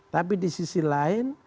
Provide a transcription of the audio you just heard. tapi di sisi lain